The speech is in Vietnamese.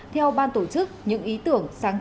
theo ban tổ chức những ý tưởng sáng tạo